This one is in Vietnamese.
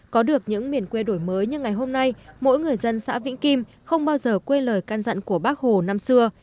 có được những miền quê đổi mới như ngày hôm nay mỗi người dân xã vĩnh kim không bao giờ quên lời can dặn của bác hồ năm xưa